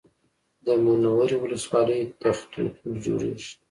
د منورې ولسوالۍ تختو پل جوړېږي